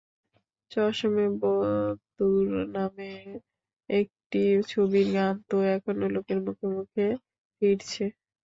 চশমে বদ্দুর নামে একটি ছবির গান তো এখনো লোকের মুখে মুখে ফিরছে।